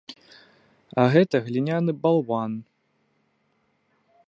А гэты гліняны балван!